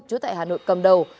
chú tại hà nội cầm đầu